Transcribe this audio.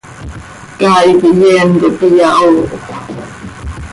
Caay quih yeen cop iyahoohcö.